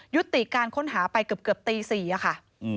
ยุติการค้นหาไปเกือบตี๔ค่ะ